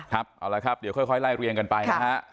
ครับเอาละครับเดี๋ยวค่อยไล่เรียงกันไปนะฮะ